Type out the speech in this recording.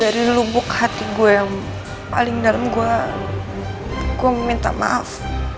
dari lubuk hati gue yang paling dalam gue gue minta maaf